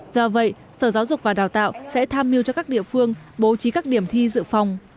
do vậy sở giáo dục và đào tạo sẽ tham mưu cho các địa phương bố trí các điểm thi dự phòng